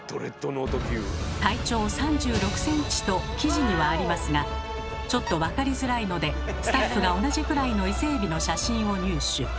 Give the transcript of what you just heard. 「体長３６ｃｍ」と記事にはありますがちょっと分かりづらいのでスタッフが同じくらいのイセエビの写真を入手。